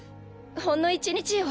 ほんの１日よ。